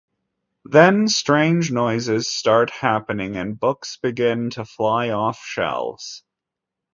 Then strange noises start happening and books begin to fly off shelves.